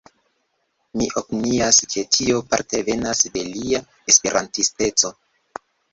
Mi opinias, ke tio parte venas de lia Esperantisteco